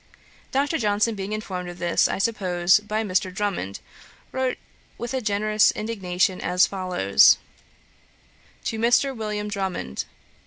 Dr. Johnson being informed of this, I suppose by Mr. Drummond, wrote with a generous indignation as follows: 'To MR. WILLIAM DRUMMOND.